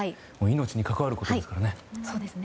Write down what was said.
命に関わることですからね。